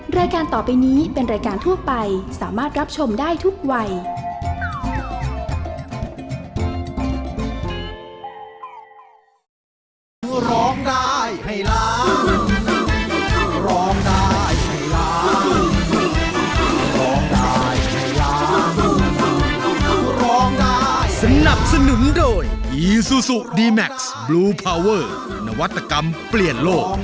รายการต่อไปนี้เป็นรายการทั่วไปสามารถรับชมได้ทุกวัย